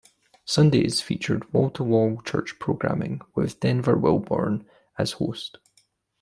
Sundays featured wall-to-wall church programming with Denver Wilborn as host.